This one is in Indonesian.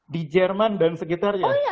di jerman dan sekitarnya